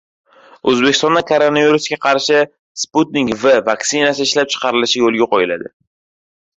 O‘zbekistonda koronavirusga qarshi «Sputnik V» vaksinasi ishlab chiqarilishi yo‘lga qo‘yiladi